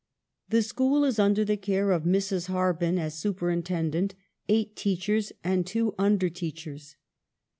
" The school is under the care of Mrs. Harben, as superintendent, eight teachers, and two under teachers.